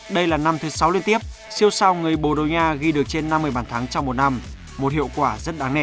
đây là năm thứ sáu liên tiếp siêu sao người bồ đồ nhà ghi được trên năm mươi bàn thắng trong một năm một hiệu quả rất đáng nể